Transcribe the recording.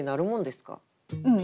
うん。